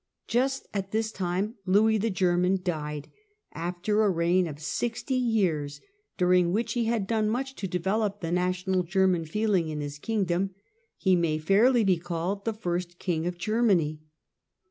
Just at this time Louis the German died, after a reign of sixty years, during which he had done much to develop the national German feeling in his kingdom. He may fairly be called the first king of Germany.